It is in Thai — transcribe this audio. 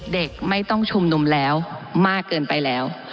เด็กไม่ต้องชุมนุมแล้วมากเกินไปแล้ว